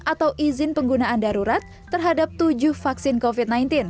atau izin penggunaan darurat terhadap tujuh vaksin covid sembilan belas